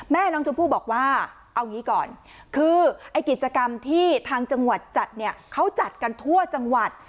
แม่น้องชมพู่บอกว่าเอางี้ก่อนคือไอ้กิจกรรมที่ทางจังหวัดจัดเนี่ยเขาจัดกันทั่วจังหวัด